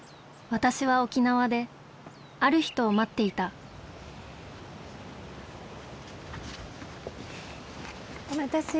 私は沖縄である人を待っていたお待たせ。